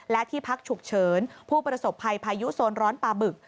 และที่พักฉุกเฉินผู้ประสบภัยพายุโซนร้อนปลาบึก